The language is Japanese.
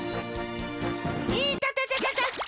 いたたたたた！